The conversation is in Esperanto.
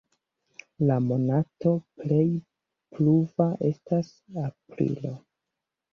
La monato plej pluva estas aprilo.